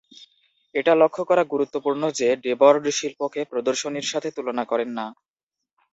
এটা লক্ষ্য করা গুরুত্বপূর্ণ যে ডেবর্ড শিল্পকে প্রদর্শনীর সাথে তুলনা করেন না।